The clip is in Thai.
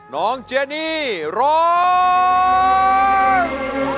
น้องเจนนี่ร้อง